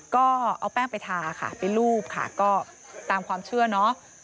ก็เอาแป้งไปทาค่ะไปรูปค่ะก็ตามความเชื่อเนาะ